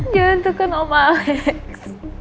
jangan tekan om alec